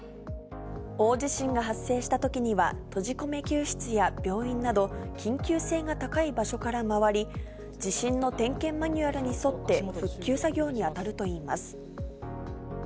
大地震が発生したときには、閉じ込め救出や病院など、緊急性が高い場所から回り、地震の点検マニュアルに沿って復旧作業に当たるといいます。